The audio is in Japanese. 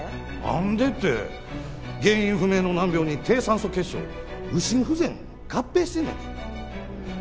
なんで？って原因不明の難病に低酸素血症右心不全を合併してんのやで。